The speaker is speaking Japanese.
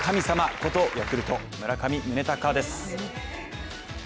ことヤクルト・村上宗隆です。